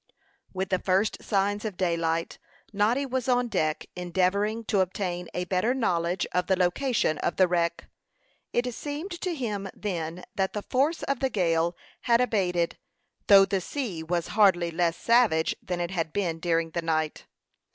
With the first signs of daylight Noddy was on deck endeavoring to obtain a better knowledge of the location of the wreck. It seemed to him then that the force of the gale had abated, though the sea was hardly less savage than it had been during the night.